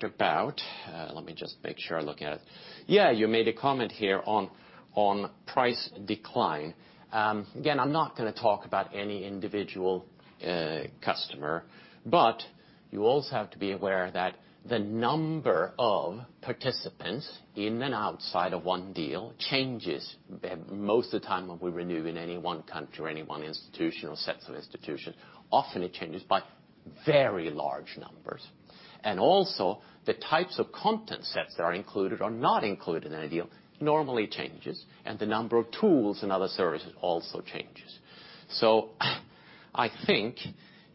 about, let me just make sure I look at it. Yeah, you made a comment here on price decline. I'm not going to talk about any individual customer. You also have to be aware that the number of participants in and outside of one deal changes most of the time when we renew in any one country or any one institution or sets of institutions. Often, it changes by very large numbers. Also, the types of content sets that are included or not included in a deal normally changes, and the number of tools and other services also changes. I think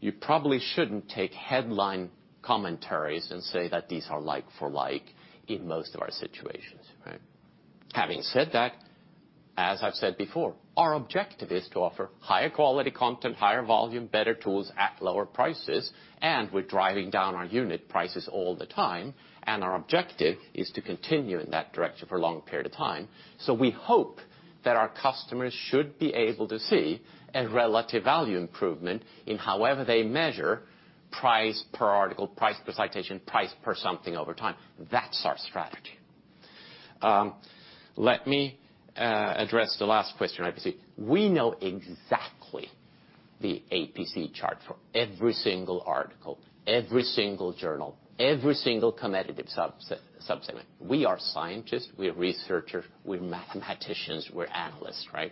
you probably shouldn't take headline commentaries and say that these are like for like in most of our situations, right? Having said that, as I've said before, our objective is to offer higher quality content, higher volume, better tools at lower prices, and we're driving down our unit prices all the time. Our objective is to continue in that direction for a long period of time. We hope that our customers should be able to see a relative value improvement in however they measure price per article, price per citation, price per something over time. That's our strategy. Let me address the last question, APC. We know exactly the APC chart for every single article, every single journal, every single competitive subsegment. We are scientists, we are researchers, we're mathematicians, we're analysts, right?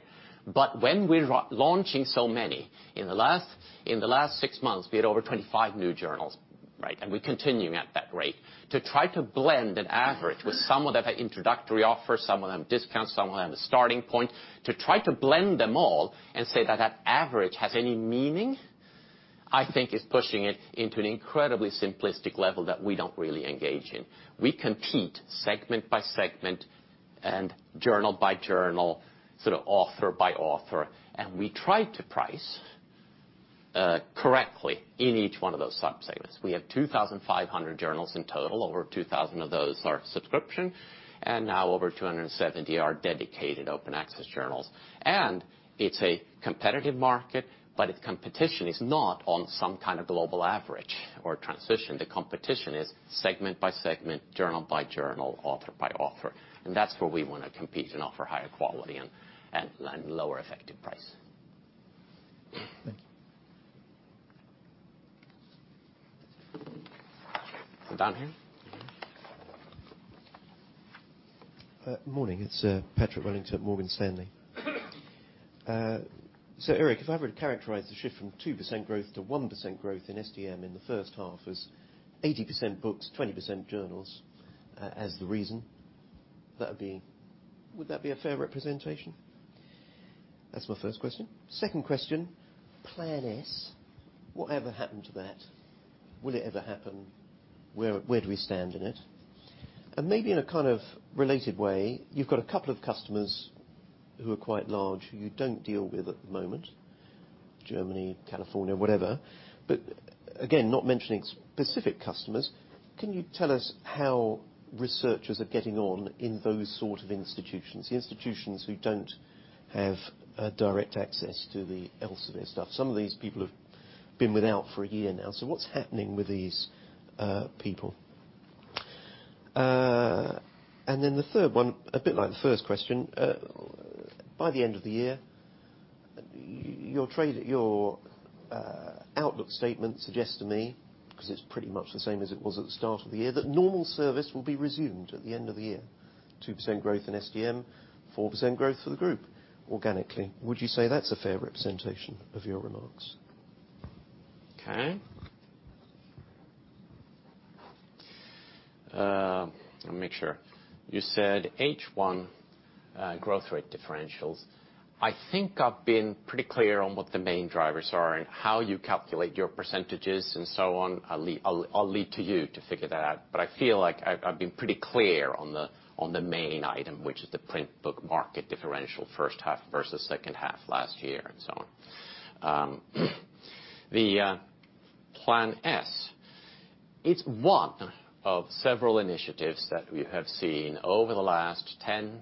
When we're launching so many, in the last six months, we had over 25 new journals, right. We're continuing at that rate. To try to blend an average with some of them have introductory offers, some of them discounts, some of them a starting point. To try to blend them all and say that that average has any meaning, I think is pushing it into an incredibly simplistic level that we don't really engage in. We compete segment by segment and journal by journal, author by author, and we try to price correctly in each one of those subsegments. We have 2,500 journals in total. Over 2,000 of those are subscription, and now over 270 are dedicated open access journals. It's a competitive market, but its competition is not on some kind of global average or transition. The competition is segment by segment, journal by journal, author by author, and that's where we want to compete and offer higher quality and lower effective price. Thank you. Down here. Morning. It's Patrick Wellington at Morgan Stanley. Erik, if I were to characterize the shift from 2% growth to 1% growth in STM in the first half as 80% books, 20% journals, as the reason, would that be a fair representation? That's my first question. Second question. Plan S. Whatever happened to that? Will it ever happen? Where do we stand in it? Maybe in a kind of related way, you've got a couple of customers who are quite large, who you don't deal with at the moment, Germany, California, whatever. Again, not mentioning specific customers, can you tell us how researchers are getting on in those sort of institutions? The institutions who don't have direct access to the Elsevier stuff. Some of these people have been without for one year now. What's happening with these people? The third one, a bit like the first question. By the end of the year, your outlook statement suggests to me, because it is pretty much the same as it was at the start of the year, that normal service will be resumed at the end of the year, 2% growth in STM, 4% growth for the group organically. Would you say that is a fair representation of your remarks? Okay. Let me make sure. You said H1 growth rate differentials. I think I've been pretty clear on what the main drivers are and how you calculate your percentages and so on. I'll leave to you to figure that out. I feel like I've been pretty clear on the main item, which is the print book market differential first half versus second half last year and so on. The Plan S. It's one of several initiatives that we have seen over the last 10,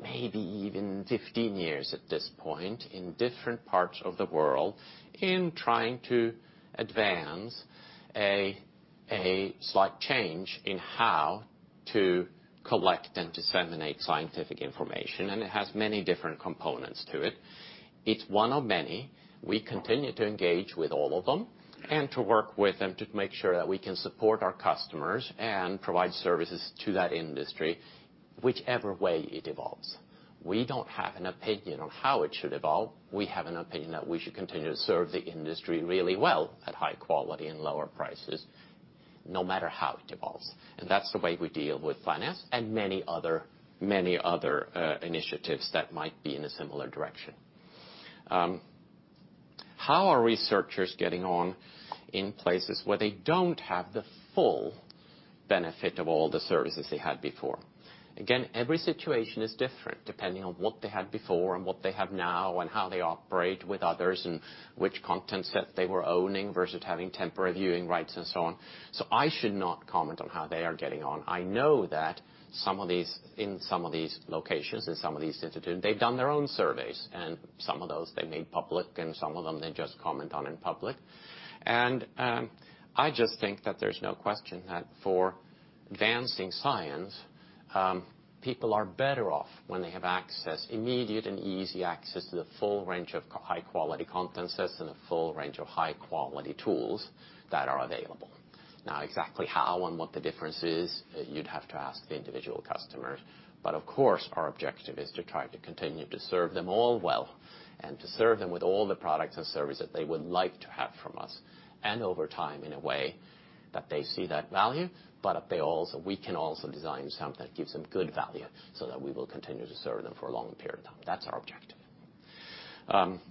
maybe even 15 years at this point, in different parts of the world, in trying to advance a slight change in how to collect and disseminate scientific information. It has many different components to it. It's one of many. We continue to engage with all of them and to work with them to make sure that we can support our customers and provide services to that industry, whichever way it evolves. We don't have an opinion on how it should evolve. We have an opinion that we should continue to serve the industry really well at high quality and lower prices, no matter how it evolves. That's the way we deal with finance and many other initiatives that might be in a similar direction. How are researchers getting on in places where they don't have the full benefit of all the services they had before? Again, every situation is different depending on what they had before and what they have now, and how they operate with others, and which content set they were owning versus having temporary viewing rights and so on. I should not comment on how they are getting on. I know that in some of these locations, in some of these institutes, they've done their own surveys, and some of those they made public, and some of them they just comment on in public. I just think that there's no question that for advancing science, people are better off when they have access, immediate and easy access, to the full range of high-quality content sets and the full range of high-quality tools that are available. Now, exactly how and what the difference is, you'd have to ask the individual customers. Of course, our objective is to try to continue to serve them all well and to serve them with all the products and services they would like to have from us. Over time, in a way, that they see that value, we can also design something that gives them good value so that we will continue to serve them for a long period of time. That's our objective.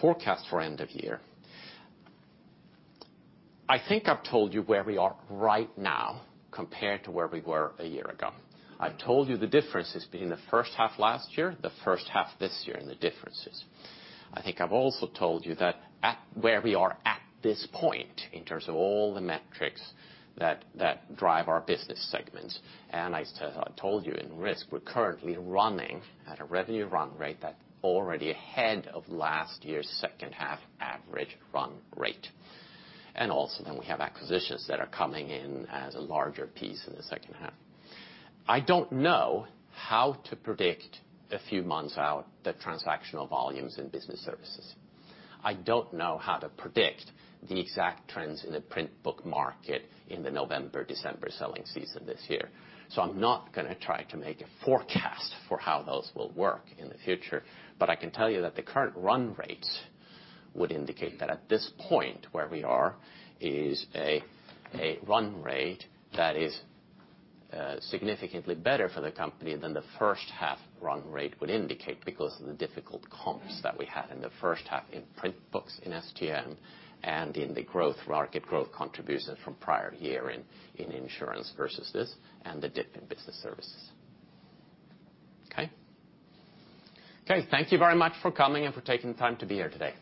Forecast for end of year. I think I've told you where we are right now compared to where we were a year ago. I've told you the differences between the first half last year, the first half this year, and the differences. I think I've also told you where we are at this point in terms of all the metrics that drive our business segments. As I told you, in risk, we're currently running at a revenue run rate that's already ahead of last year's second half average run rate. Also, we have acquisitions that are coming in as a larger piece in the second half. I don't know how to predict a few months out the transactional volumes in business services. I don't know how to predict the exact trends in the print book market in the November, December selling season this year. I'm not going to try to make a forecast for how those will work in the future. I can tell you that the current run rate would indicate that at this point, where we are is a run rate that is significantly better for the company than the first half run rate would indicate because of the difficult comps that we had in the first half in print books, in STM, and in the market growth contribution from prior year in insurance versus this, and the dip in business services. Okay? Okay. Thank you very much for coming and for taking the time to be here today. Thank you.